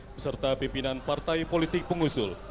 beserta pimpinan partai politik pengusul